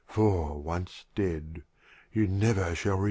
— for, once dead, you never shall return."